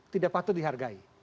tidak patut dihargai